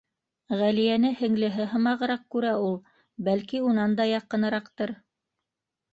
Ғәлиәне һеңлеһе һымағыраҡ күрә ул, бәлки унан да яҡыныраҡтыр.